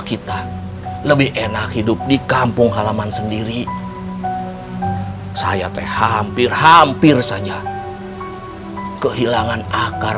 kita lebih enak hidup di kampung halaman sendiri saya teh hampir hampir saja kehilangan akar